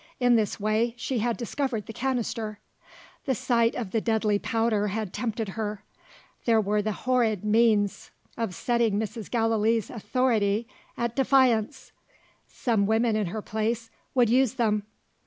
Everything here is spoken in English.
In this way, she had discovered the canister. The sight of the deadly powder had tempted her. There were the horrid means of setting Mrs. Gallilee's authority at defiance! Some women in her place, would use them.